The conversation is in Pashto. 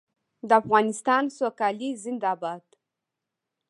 د افغانستان سوکالي زنده باد.